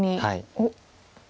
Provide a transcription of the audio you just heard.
おっ！